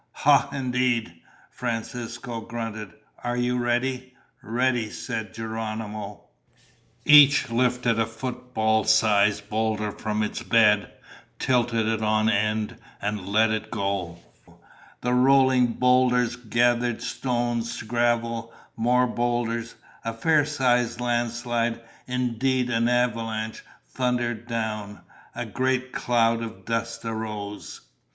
"Ha indeed," Francisco grunted. "Are you ready?" "Ready," said Geronimo. Each lifted a football sized boulder from its bed, tilted it on end, and let it go. The rolling boulders gathered stones, gravel, more boulders. A fair sized landslide, indeed an avalanche, thundered down. A great cloud of dust arose.